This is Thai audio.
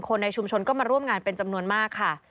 ในชุมชนก็มาร่วมงานเป็นจำนวนมากค่ะ